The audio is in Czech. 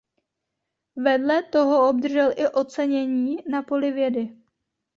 Vedle toho obdržel i ocenění na poli vědy.